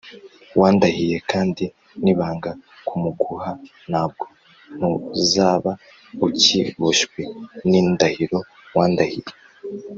Wandahiye kandi nibanga kumuguha nabwo ntuzaba ukiboshywe n indahiro wandahiye